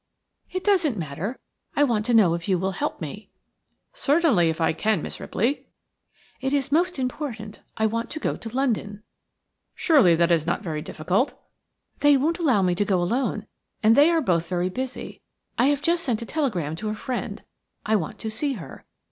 "It doesn't matter. I want to know if you will help me." "Certainly, if I can, Miss Ripley." "It is most important. I want to go to London." "Surely that is not very difficult?" "They won't allow me to go alone, and they are both very busy. I have just sent a telegram to a friend. I want to see her.